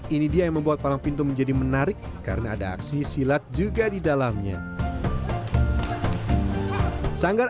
ini dia yang membuat palang pintu menjadi menarik karena ada aksi silat juga di dalamnya sanggar